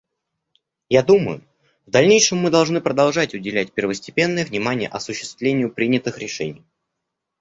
Я думаю, в дальнейшем мы должны продолжать уделять первостепенное внимание осуществлению принятых решений.